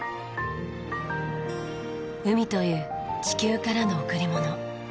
海という地球からの贈りもの。